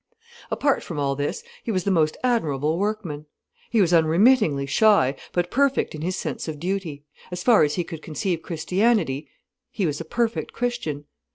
Apart from all this, he was the most admirable workman. He was unremittingly shy, but perfect in his sense of duty: as far as he could conceive Christianity, he was a perfect Christian.